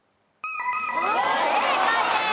正解です！